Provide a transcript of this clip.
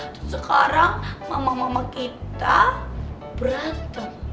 dan sekarang mama mama kita berantem